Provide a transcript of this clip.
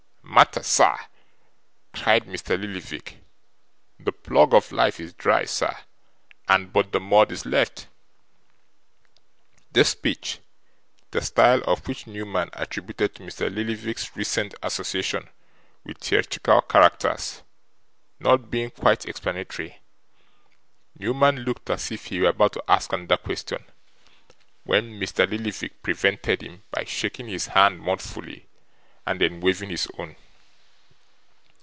'Matter, sir!' cried Mr. Lillyvick. 'The plug of life is dry, sir, and but the mud is left.' This speech the style of which Newman attributed to Mr. Lillyvick's recent association with theatrical characters not being quite explanatory, Newman looked as if he were about to ask another question, when Mr. Lillyvick prevented him by shaking his hand mournfully, and then waving his own.